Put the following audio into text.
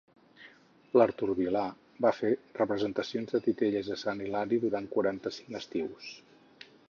L’Artur Vilà va fer representacions de titelles a Sant Hilari durant quaranta-cinc estius.